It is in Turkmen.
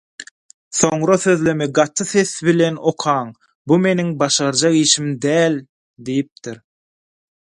soňra sözlemi gaty ses bilen okaň «Bu meniň başarjak işim däl» diýipdir.